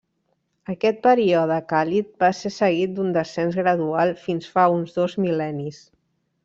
Aquest període càlid va ser seguit d'un descens gradual fins fa uns dos mil·lennis.